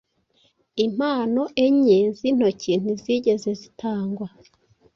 Impano enye zintoki ntizigeze zitangwa